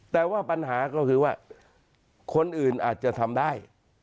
แต่ว่าปัญหาก็คือว่าคนอื่นอาจจะทำได้